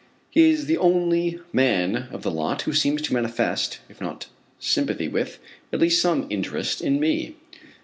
He is the only man of the lot who seems to manifest, if not sympathy with, at least some interest in me.